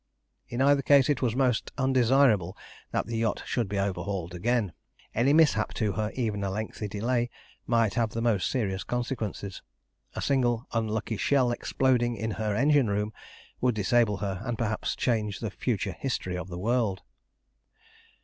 In either case it was most undesirable that the yacht should be overhauled again. Any mishap to her, even a lengthy delay, might have the most serious consequences. A single unlucky shell exploding in her engine room would disable her, and perhaps change the future history of the world.